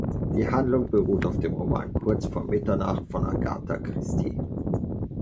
Die Handlung beruht auf dem Roman Kurz vor Mitternacht von Agatha Christie.